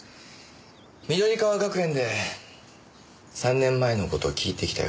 緑川学園で３年前の事聞いてきたよ。